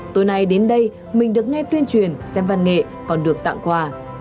tối nay đến đây mình được nghe tuyên truyền xem văn nghệ còn được tặng quà